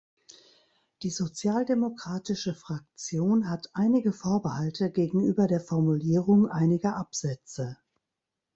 Die Sozialdemokratische Fraktion hat einige Vorbehalte gegenüber der Formulierung einiger Absätze.